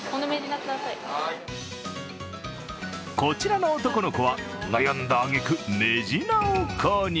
こちらの男の子は悩んだあげく、メジナを購入。